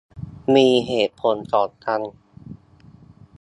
มีเหตุผลต่อกัน